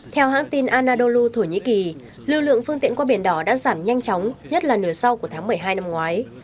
theo hãng tin anadolu thổ nhĩ kỳ lưu lượng phương tiện qua biển đỏ đã giảm nhanh chóng nhất là nửa sau của tháng một mươi hai năm ngoái